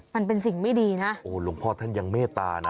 มันเป็นสิ่งไม่ดีนะโอ้หลวงพ่อท่านยังเมตตานะ